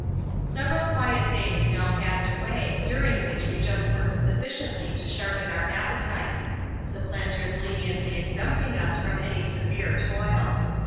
Several quiet days now passed away, during which we just worked sufficiently to sharpen our appetites ; the planters le niently exempting us from any severe toil.